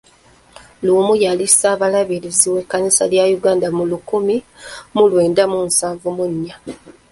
Luwum yali Ssaabalabirizi w'ekkanisa ya Uganda mu lukumi mu lwenda mu nsanvu mu nnya.